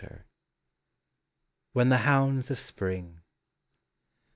75 WHEN THE HOUNDS OF SPRING.